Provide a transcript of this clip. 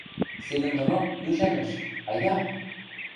— Седӹндонок ӱжӓмӹш, айда!